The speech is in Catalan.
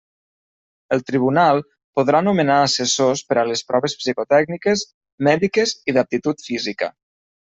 El tribunal podrà nomenar assessors per a les proves psicotècniques, mèdiques i d'aptitud física.